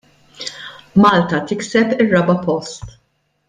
Malta tikseb ir-raba' post.